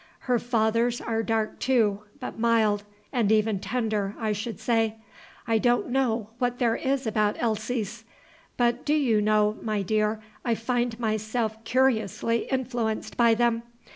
Her father's are dark too, but mild, and even tender, I should say. I don't know what there is about Elsie's, but do you know, my dear, I find myself curiously influenced by them?